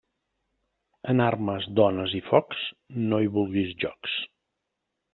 Amb armes, dones i focs, no hi vulguis jocs.